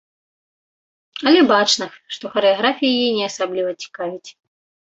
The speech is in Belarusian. Але бачна, што харэаграфія яе не асабліва цікавіць.